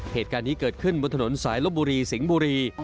เหตุการณ์นี้เกิดขึ้นบนถนนสายลบบุรีสิงห์บุรี